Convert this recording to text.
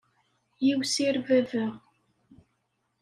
Yiwsir baba.